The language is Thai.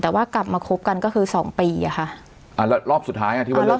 แต่ว่ากลับมาคบกันก็คือสองปีอ่ะค่ะอ่าแล้วรอบสุดท้ายอ่ะที่ว่าเลิก